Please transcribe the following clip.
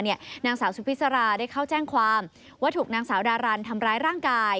นางสาวสุพิษราได้เข้าแจ้งความว่าถูกนางสาวดารันทำร้ายร่างกาย